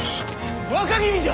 若君じゃ！